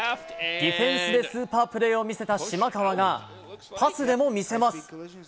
ディフェンスでスーパープレーを見せた島川が、パスでも見せます。